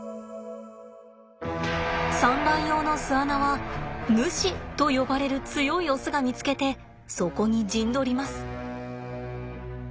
産卵用の巣穴はヌシと呼ばれる強いオスが見つけてそこに陣取ります。